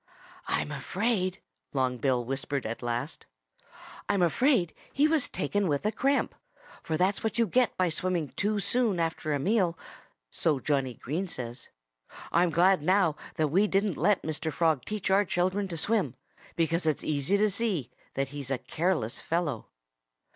"I'm afraid " Long Bill whispered at last "I'm afraid he was taken with a cramp, for that's what you get by swimming too soon after a meal so Johnnie Green says. ... I'm glad now that we didn't let Mr. Frog teach our children to swim, because it's easy to see that he's a careless fellow."